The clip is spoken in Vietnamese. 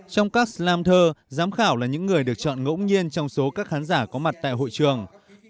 trong các slantur giám khảo là những người được chọn ngỗng nhiên trong số các khán giả có mặt tại hội trường